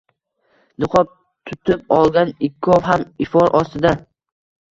niqob tutib olgan ikkov ham ifor ostida